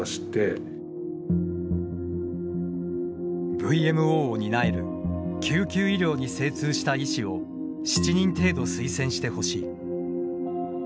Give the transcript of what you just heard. ＶＭＯを担える救急医療に精通した医師を７人程度推薦してほしい。